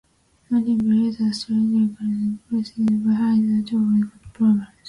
Martin believes a strange, radioactive briefcase is behind the town's problems.